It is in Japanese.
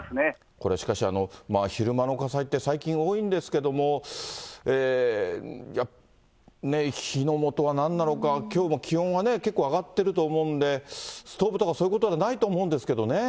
これしかし、昼間の火災って最近多いんですけれども、火の元はなんなのか、きょうも気温はね、結構上がってると思うんで、ストーブとか、そういうことはないと思うんですけどね。